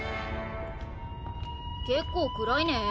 結構暗いね。